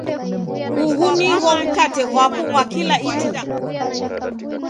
Ughu nigho mkate ghwapo ghwa kila ituku.